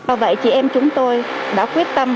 và vậy chị em chúng tôi đã quyết tâm